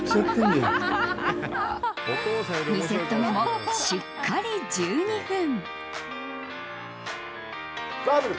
２セット目もしっかり１２分。